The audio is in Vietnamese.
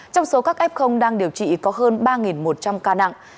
trong số các f đang điều trị có hơn ba một trăm linh ca nặng